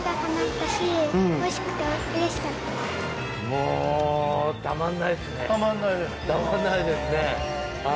もうたまんないっすね。